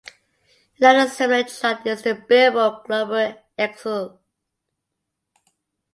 Another similar chart is the "Billboard" Global Excl.